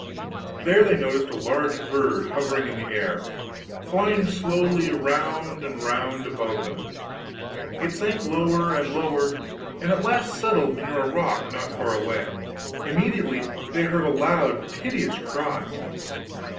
There they noticed a large bird hovering in the air, flying slowly round and round above them; it sank lower and lower, and at last settled near a rock not far away. Immediately they heard a loud, piteous cry.